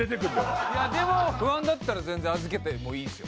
不安だったら全然預けてもいいですよ。